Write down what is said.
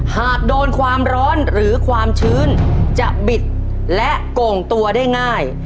หากโดนความร้อนหรือความชื้นจะบิดและโก่งตัวได้ง่าย